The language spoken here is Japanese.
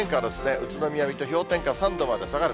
宇都宮、水戸、氷点下３度まで下がる。